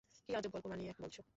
কি আজব গল্প বানিয়ে বলছো?